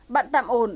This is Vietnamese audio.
bạn tạm ổn